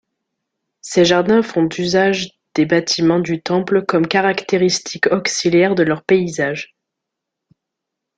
Ces jardins font usage des bâtiments du temple comme caractéristiques auxiliaires de leurs paysages.